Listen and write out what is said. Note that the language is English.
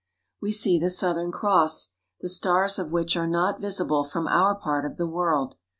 We see the Southern Cross, the stars of which are not visible from our part of the world.